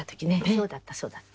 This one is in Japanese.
そうだったそうだった。